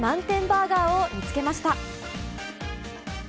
バーガーを見つけました。